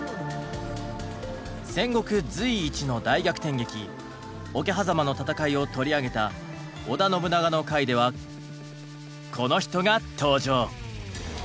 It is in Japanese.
戦国随一の大逆転劇「桶狭間の戦い」を取り上げた織田信長の回ではこの人が登場。